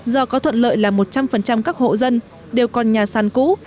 do có thuận lợi là một trăm linh các hộ dân đều còn nhà sàn cũ